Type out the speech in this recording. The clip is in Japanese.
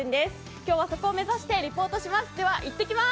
今日はそこを目指してリポートします。